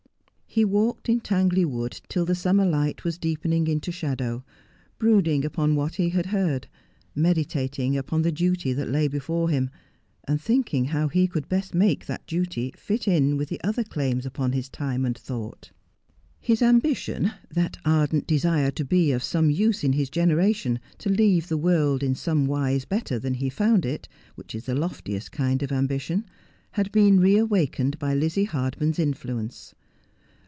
He walked in Tangley Wood till the summer light was deepening into shadow, brooding upon what he had heard, meditating upon the duty that lay before him, and thinking how he could best make that duty fit in with the other claims upon his time and thought. His ambition — that ardent desire to be of some use in his generation, to leave the world in some wise better than he found it, which is the loftiest kind of ambition — had been reawakened by Lizzie Hardman's influence.